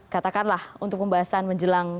katakanlah untuk pembahasan menjelang